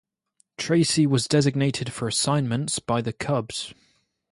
Tracy was designated for assignment by the Cubs.